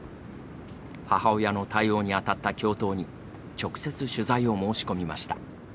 母親の対応に当たった教頭に直接、取材を申し込みました。